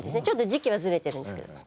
ちょっと時期はずれてるんですけど。